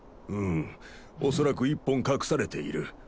うん恐らく１本隠されている。